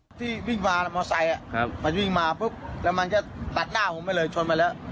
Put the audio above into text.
มอเตอร์ไซค์มันวิ่งมาปุ๊บแล้วมันจะตัดหน้าผมไปเลยชนไปแล้ว